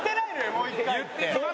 「もう１回」って。